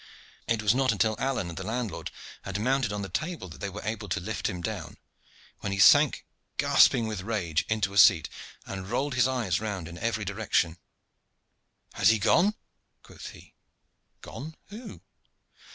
It was not until Alleyne and the landlord had mounted on the table that they were able to lift him down, when he sank gasping with rage into a seat, and rolled his eyes round in every direction. "Has he gone?" quoth he. "Gone? Who?"